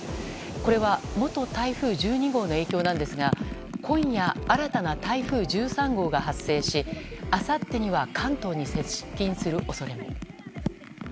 これは元台風１２号の影響なんですが今夜、新たな台風１３号が発生しあさってには関東に接近する恐れも。